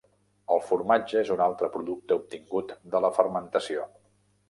El formatge és un altre producte obtingut de la fermentació.